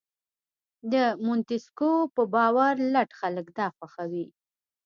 د مونتیسکیو په باور لټ خلک دا خوښوي.